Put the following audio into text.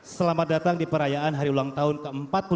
selamat datang di perayaan hari ulang tahun ke empat puluh lima